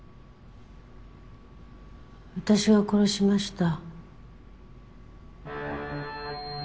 私が殺しました。